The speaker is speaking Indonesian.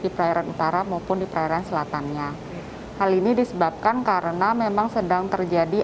di perairan utara maupun di perairan selatannya hal ini disebabkan karena memang sedang terjadi